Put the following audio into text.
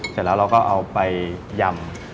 เสร็จแล้วเราก็เอาไปยำ